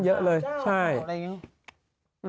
เช็ดแรงไปนี่